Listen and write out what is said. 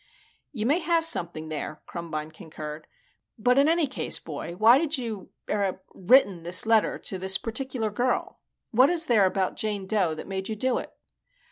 "You may have something there," Krumbine concurred. "But in any case, boy, why did you er written this letter to this particular girl? What is there about Jane Dough that made you do it?"